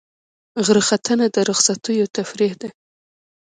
غره ختنه د رخصتیو تفریح ده.